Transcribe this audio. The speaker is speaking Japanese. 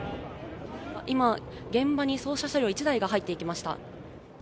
今、現場に捜査車両１台が入っていきました。